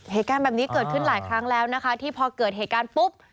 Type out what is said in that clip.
เหตุการณ์แบบนี้เกิดขึ้นหลายครั้งแล้วนะคะที่พอเกิดเหตุการณ์ปุ๊บ